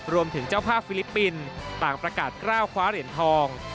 เจ้าภาพฟิลิปปินส์ต่างประกาศกล้าวคว้าเหรียญทอง